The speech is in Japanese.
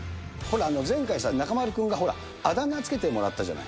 前回さ、中丸君がほら、あだ名付けてもらったじゃない？